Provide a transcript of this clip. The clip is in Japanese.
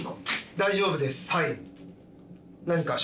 大丈夫です。